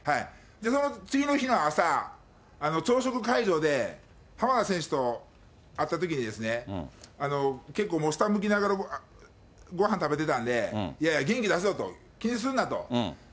その次の日の朝、朝食会場で、浜田選手と会ったときにですね、結構、もう下向きながら、ごはん食べてたんで、いやいや、元気出せよと、気にするなと。